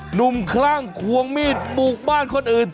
หนุ่มคลั่งควงมีดปลูกบ้านคนอื่น